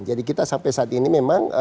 jadi kita sampai saat ini memang